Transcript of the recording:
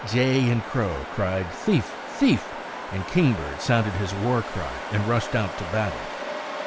Jay and crow cried Thief! thief! and kingbird sounded his war cry and rushed out to battle.